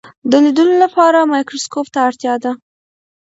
د لیدلو لپاره مایکروسکوپ ته اړتیا ده.